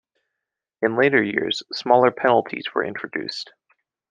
In later years, smaller penalties were introduced.